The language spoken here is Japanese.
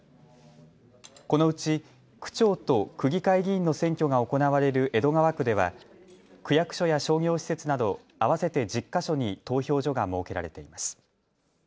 このうち区長と区議会議員の選挙が行われる江戸川区では区役所や商業施設など合わせて１０か所に投票所が設けられています。